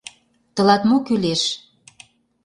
— Тылат мо кӱлеш?